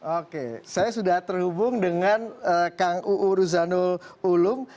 oke saya sudah terhubung dengan kang uu ruzano ulum